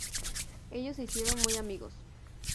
Ellos se hicieron muy amigos.